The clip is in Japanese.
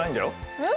えっ！？